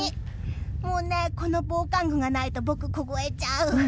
もうね、この防寒具がないと僕、凍えちゃう。